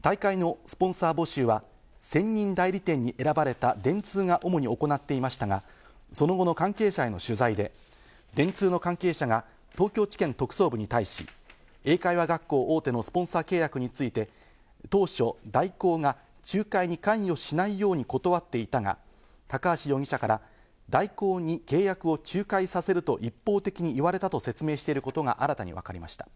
大会のスポンサー募集は専任代理店に選ばれた電通が主に行っていましたが、その後の関係者への取材で電通の関係者が東京地検特捜部に対し、英会話学校大手のスポンサー契約について当初、大広が仲介に関与しないように断っていたが、高橋容疑者から大広に契約を仲介させると一方的に言われたと説明していることが新たに分かりました。